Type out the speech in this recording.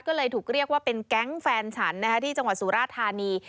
ก็เลยถูกเรียกว่าเป็นแก๊งแฟนฉันที่จังหวัดสุราธานี